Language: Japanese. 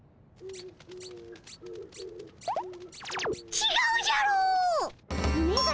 ちがうじゃーろー。